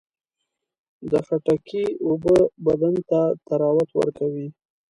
د خټکي اوبه بدن ته طراوت ورکوي.